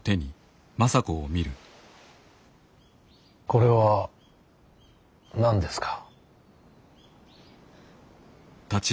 これは何ですか。